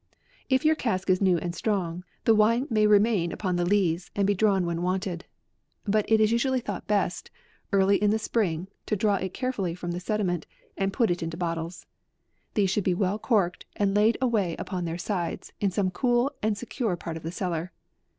If your cask is new and strong, the wine may remain upon the lees, and be drawn when wanted. But it is usually thought best, early in the spring to draw it carefully from the sediment, and put it into bottles. These should be well corked, and laid away upon their sides, in some cool and secure part of the cellar.